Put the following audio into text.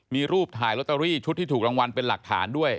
มีรูปถ่ายลอตเตอรี่ชุดที่ถูกรางวัลเป็นหลักฐานด้วย